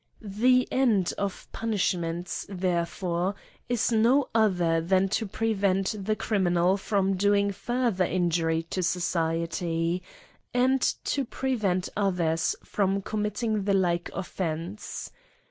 The end of punishment, therefore, is no other than to prevent the criminal from doing further injury to society, and to prevent others from com mitting the like offence.